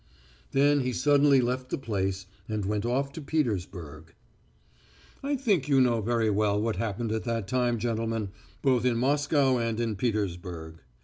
Then he suddenly left the place and went off to Petersburg. I think you know very well what happened at that time, gentlemen, both in Moscow and in Petersburg.